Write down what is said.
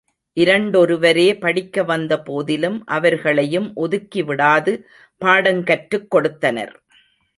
இரண்டொருவரே படிக்க வந்த போதிலும், அவர்களையும் ஒதுக்கிவிடாது பாடங்கற்றுக் கொடுத்தனர்.